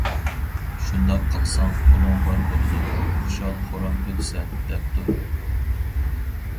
شۇنداق قىلساڭ پۇلۇڭ بار بولىدۇ، خۇشال-خۇرام ئۆتىسەن، -دەپتۇ.